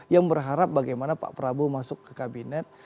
yang berharap bagaimana pak prabowo masuk ke kabinet